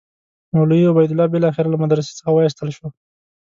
مولوي عبیدالله بالاخره له مدرسې څخه وایستل شو.